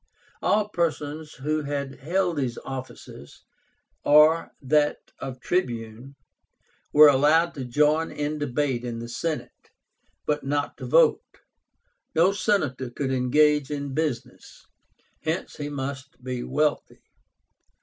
All persons who had held these offices, or that of Tribune, were allowed to join in debate in the Senate, but not to vote. No Senator could engage in business. Hence he must be wealthy.